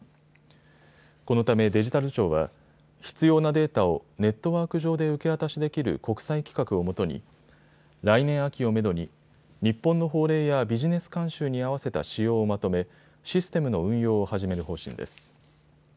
このためデジタル庁は必要なデータをネットワーク上で受け渡しできる国際規格をもとに来年秋をめどに日本の法令やビジネス慣習に合わせた仕様をまとめシステムの運用を始める方針です。